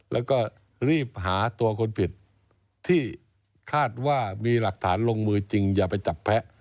แล้วก็รีบหาตัวคนผิดที่คาดว่ามีหลักฐานลงมือจริงอย่าไปจับแพ้